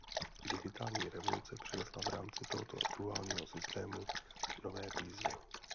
Digitální revoluce přinesla v rámci tohoto duálního systému nové výzvy.